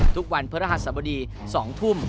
ทุกวันพระรหัสบดี๒ทุ่ม